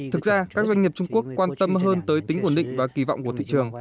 thực ra các doanh nghiệp trung quốc quan tâm hơn tới tính ổn định và kỳ vọng của thị trường